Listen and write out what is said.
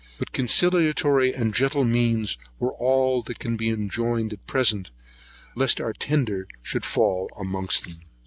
But conciliatory and gentle means were all that could be enjoined at present, lest our tender should fall in amongst them.